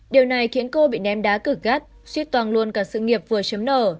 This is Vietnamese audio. điều này khiến cô bị ném đá cử gắt suy toàn luôn cả sự nghiệp vừa chấm nở